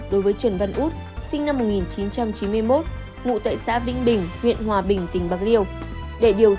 đối với trần văn út sinh năm một nghìn chín trăm chín mươi một ngụ tại xã vĩnh bình huyện hòa bình tỉnh bạc liêu